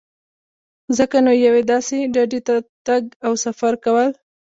ځکه نو یوې داسې ډډې ته تګ او سفر کول.